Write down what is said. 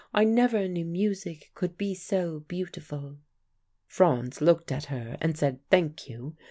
I never knew music could be so beautiful.' "Franz looked at her, and said 'Thank you.